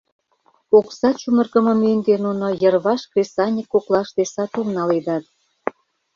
Окса чумыргымо мӧҥгӧ нуно йырваш кресаньык коклаште сатум наледат.